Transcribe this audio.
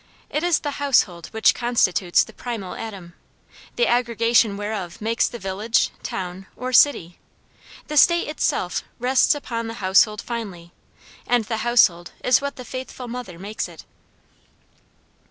It is the household which constitutes the primal atom, the aggregation whereof makes the village, town, or city; the state itself rests upon the household finally, and the household is what the faithful mother makes it.